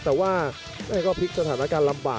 แต่ว่าก็พลิกสถานการณ์ลำบาก